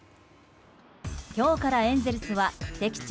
今日からエンゼルスは敵地